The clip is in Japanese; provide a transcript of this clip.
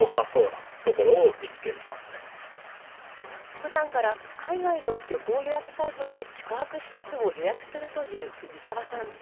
普段から海外の旅行予約サイトで宿泊施設を予約するというふじさわさん。